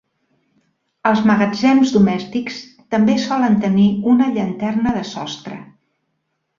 Els magatzems domèstics també solen tenir una llanterna de sostre.